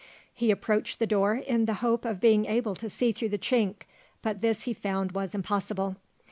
He approached the door in the hope of being able to see through the chink, but this he found was impossible.